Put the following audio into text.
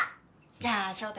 じゃあ翔太